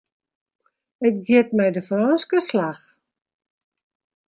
It giet mei de Frânske slach.